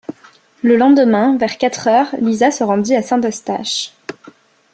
Le lendemain, vers quatre heures, Lisa se rendit à Saint-Eustache.